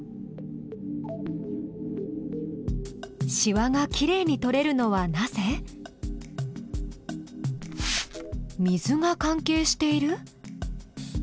しわがきれいに取れるのはなぜ？水が関係している？